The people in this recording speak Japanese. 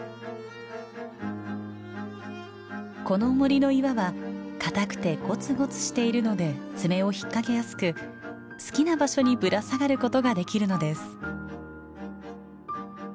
この森の岩は硬くてゴツゴツしているので爪を引っ掛けやすく好きな場所にぶら下がることができるのです。